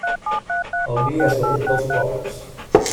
El vi és la llet dels pobres.